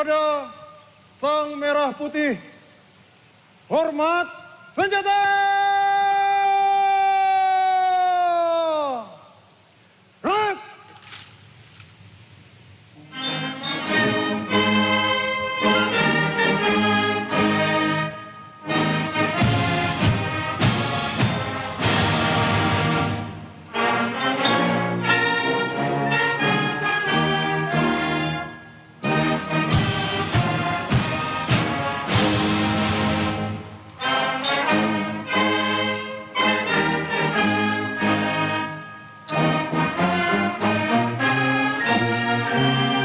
dan memiliki kekuatan untuk memperbaiki pembinaan bendera ini